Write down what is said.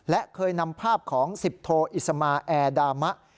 และเคยนำภาพของ๑๐โทอิสมาแอร์ดามะ